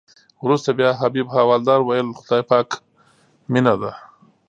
وروسته بیا حبیب حوالدار ویل خدای پاک مینه ده.